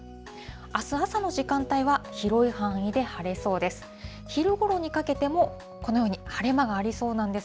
あす朝の時間帯は広い範囲で晴れそうです。